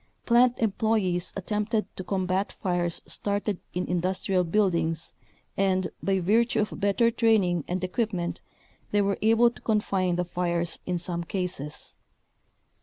Plant employees at tempted to combat fires started in industrial buildings and, by virtue of better training and equipment, they were able to confine the fires in some cases.